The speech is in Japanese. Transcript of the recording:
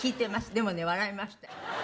でもね笑いました。